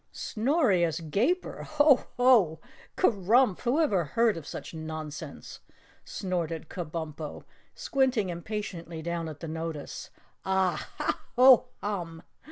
"Snorious Gaper! Ho, Ho! kerumph! Who ever heard of such nonsense?" snorted Kabumpo, squinting impatiently down at the notice. "Ah, Hah! HOH, HUM!"